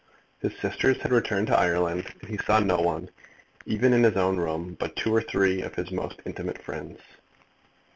His sisters had returned to Ireland, and he saw no one, even in his own room, but two or three of his most intimate friends.